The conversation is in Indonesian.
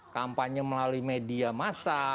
kampanye melalui media massa